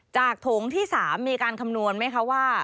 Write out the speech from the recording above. ถงที่๓มีการคำนวณไหมคะว่า